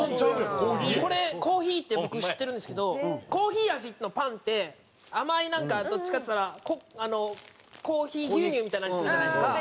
これコーヒーって僕知ってるんですけどコーヒー味のパンって甘いなんかどっちかっていったらコーヒー牛乳みたいな味するじゃないですか。